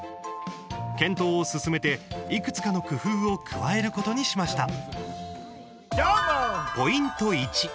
検討を進めて、いくつかの工夫を加えることにしました。